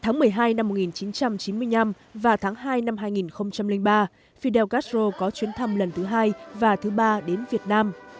ngày một mươi hai năm một nghìn chín trăm chín mươi năm và tháng hai năm hai nghìn ba fidel castro có chuyến thăm lần thứ hai và thứ ba đến việt nam